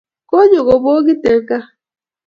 konyo kubokit eng' gaa